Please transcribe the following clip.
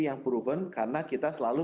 yang proven karena kita selalu